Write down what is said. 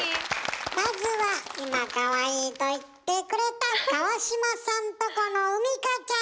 まずは今「かわいい」と言ってくれた川島さんとこの海荷ちゃん。